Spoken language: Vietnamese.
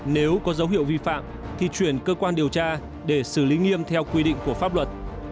nếu có dấu hiệu vi phạm thì chuyển cơ quan điều tra để xử lý nghiêm theo quy định của pháp luật